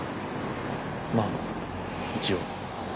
まあ一応。